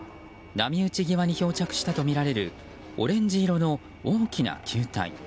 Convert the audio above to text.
波打ち際に漂着したとみられるオレンジ色の大きな球体。